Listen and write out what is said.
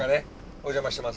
お邪魔してますが。